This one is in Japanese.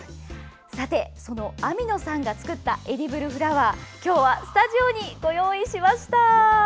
その網野さんが作ったエディブルフラワースタジオにご用意しました。